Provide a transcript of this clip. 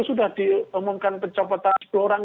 sudah diumumkan pencopotan sepuluh orang